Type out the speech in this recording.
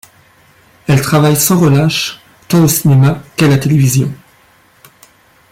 Elle travaille sans relâche tant au cinéma qu'à la télévision.